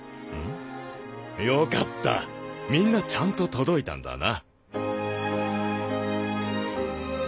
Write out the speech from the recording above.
よかったみんなちゃんと届いたんだな。